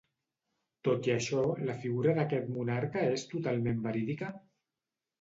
Tot i això, la figura d'aquest monarca és totalment verídica?